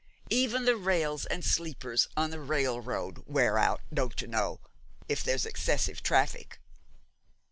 Even the rails and sleepers on the railroad wear out, don't you know, if there's excessive traffic.'